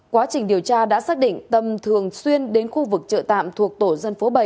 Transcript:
quá trình điều tra đã xác định tâm thường xuyên đến khu vực chợ tạm thuộc tổ dân phố bảy